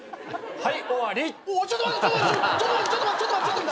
はい！